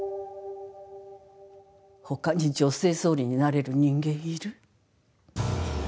他に女性総理になれる人間いる？